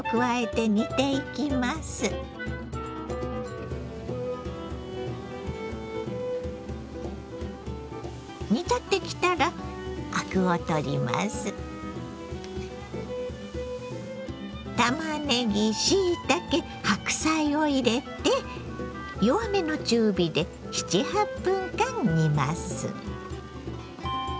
たまねぎしいたけ白菜を入れて弱めの中火で７８分間煮ます。